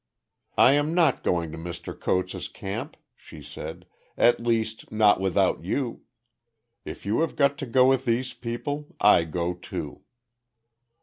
"I am not going to Mr Coates' camp," she said, "at least, not without you. If you have got to go with these people I go too."